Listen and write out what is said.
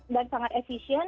dan sangat efisien